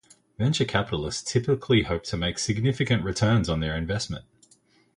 Venture capitalists typically hope to make significant returns on their investment.